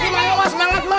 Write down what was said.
semangat lagi ma semangat ma